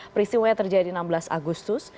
peristiwanya terjadi enam belas agustus